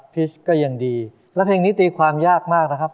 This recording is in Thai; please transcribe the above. พิชก็ยังดีแล้วเพลงนี้ตีความยากมากนะครับ